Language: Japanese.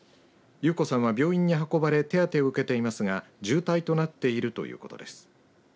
裕子さんは病院に運ばれ手当てを受けていますが重体となっているということです。